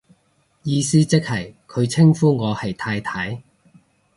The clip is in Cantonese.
意思即係佢稱呼我係太太